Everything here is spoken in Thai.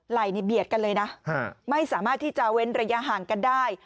ไหล่นี่เบียดกันเลยนะไม่สามารถที่จะเว้นระยะห่างกันได้